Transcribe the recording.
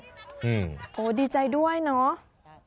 โอ้โหดีใจด้วยเนาะ